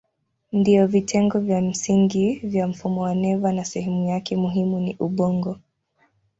Ndiyo vitengo vya msingi vya mfumo wa neva na sehemu yake muhimu ni ubongo.